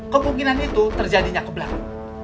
kemungkinan itu terjadinya ke belakang